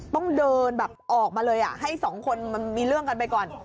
ต้องเดินแบบออกมาเลยให้สองคนมันมีเรื่องกันไปก่อน